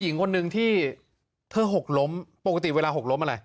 หญิงคนหนึ่งที่เธอหกล้มปกติเวลาหกล้มอะไร